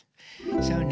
そうね